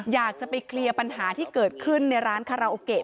อยากจะไปเคลียร์ปัญหาที่เกิดขึ้นในร้านคาราโอเกะ